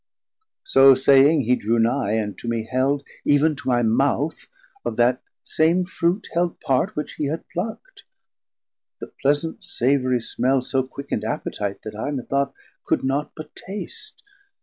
So saying, he drew nigh, and to me held, Even to my mouth of that same fruit held part Which he had pluckt; the pleasant savourie smell So quick'nd appetite, that I, methought, Could not but taste.